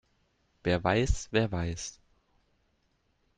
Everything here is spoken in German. Wer weiß, wer weiß?